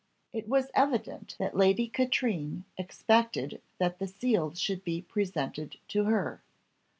It was evident that Lady Katrine expected that the seal should be presented to her.